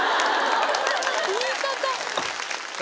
言い方。